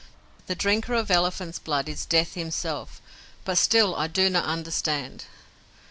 "The drinker of elephant's blood is Death himself but still I do not understand!"